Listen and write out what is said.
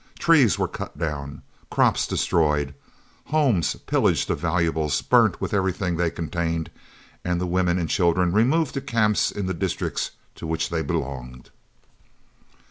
Trees were cut down, crops destroyed, homes, pillaged of valuables, burnt with everything they contained, and the women and children removed to camps in the districts to which they belonged.